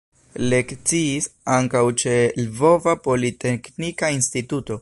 Lekciis ankaŭ ĉe Lvova Politeknika Instituto.